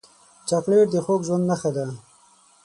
چاکلېټ د خوږ ژوند نښه ده.